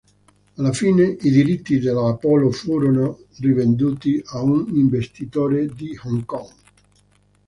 Alla fine, i diritti della Apollo furono rivenduti a un investitore di Hong Kong.